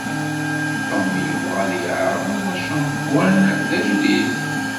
Tom yebɣa ad yeεreḍ acampwan d ajdid.